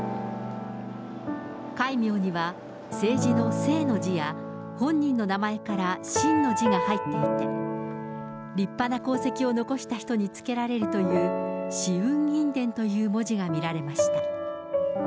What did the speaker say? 戒名には政治の政の字や、本人の名前から晋の字が入っていて、立派な功績を残した人に付けられるという、紫雲院殿という文字が見られました。